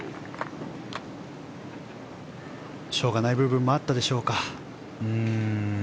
しょうがない部分もあったでしょうか。